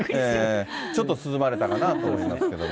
ちょっと涼まれたかなと思いますけども。